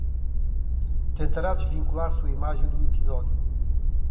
Tentará desvincular sua imagem do episódio